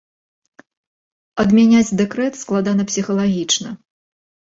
Адмяняць дэкрэт складана псіхалагічна.